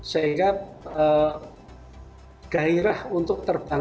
sehingga gairah untuk terbang